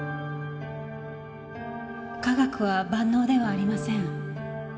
科学は万能ではありません。